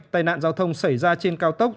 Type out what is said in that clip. tai nạn giao thông xảy ra trên cao tốc